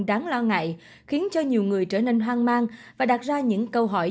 đáng lo ngại khiến cho nhiều người trở nên hoang mang và đặt ra những câu hỏi